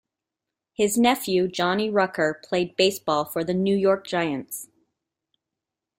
His nephew Johnny Rucker played baseball for the New York Giants.